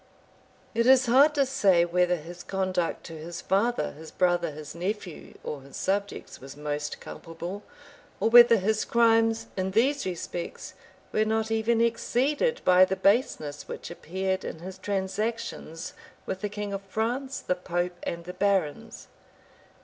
It is hard to say whether his conduct to his father, his brother, his nephew, or his subjects, was most culpable; or whether his crimes, in these respects, were not even exceeded by the baseness which appeared in his transactions with the king of France, the pope, and the barons.